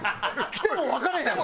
来てもわからへんやろ？